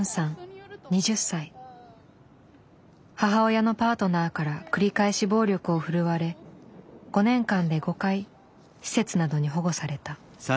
母親のパートナーから繰り返し暴力を振るわれ５年間で５回施設などに保護された。